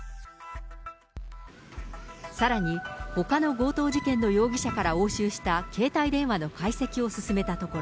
さらに、ほかの強盗事件の容疑者から押収した携帯電話の解析を進めたところ、